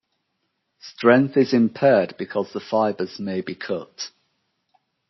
Strength is impaired because the fibres may be cut.